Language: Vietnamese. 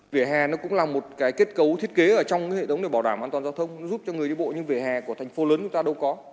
về hè nó cũng là một cái kết cấu thiết kế ở trong cái hệ thống để bảo đảm an toàn giao thông giúp cho người đi bộ nhưng về hè của thành phố lớn của ta đâu có